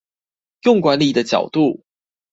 用管理的角度